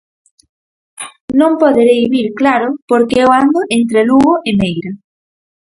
Non poderei vir claro, porque eu ando entre Lugo e Meira.